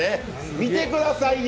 見てくださいよ！